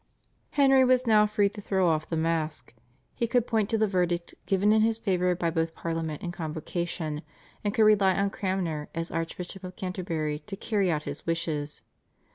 Henry was now free to throw off the mask. He could point to the verdict given in his favour by both Parliament and Convocation, and could rely on Cranmer as Archbishop of Canterbury to carry out his wishes.